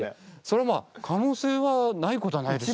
それはまあ可能性はないことはないでしょう。